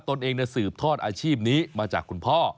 ตนเองสืบทอดอาชีพนี้มาจากคุณพ่อ